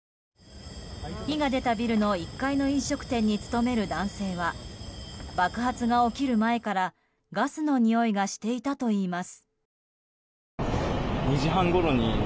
火が出たビルの１階の飲食店に勤める男性は爆発が起きる前からガスのにおいがしていたといいます。